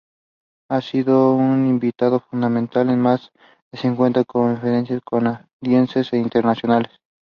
Shaw sacrifices himself to kill two of the three bull sharks with explosive darts.